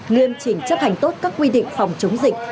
nghiêm chỉnh chấp hành tốt các quy định phòng chống dịch